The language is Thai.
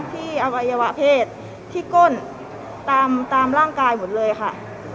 อวัยวะเพศที่ก้นตามร่างกายหมดเลยค่ะ